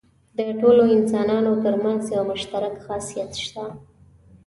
د ټولو انسانانو تر منځ یو مشترک خاصیت شته.